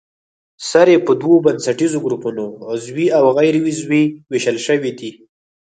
سرې په دوو بنسټیزو ګروپونو عضوي او غیر عضوي ویشل شوې دي.